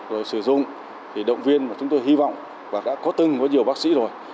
rồi sử dụng thì động viên mà chúng tôi hy vọng và đã có từng với nhiều bác sĩ rồi